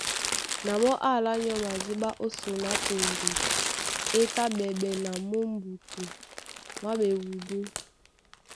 Na mɔ́ é alá nyɔ́ madíɓá ó son á toŋgo é tá ɓɛɓɛ na mú mbutu mwá ɓewudú.